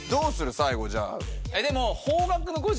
最後じゃあ。